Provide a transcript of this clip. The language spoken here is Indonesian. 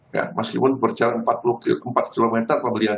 ya meskipun berjalan empat kilometer kalau melihat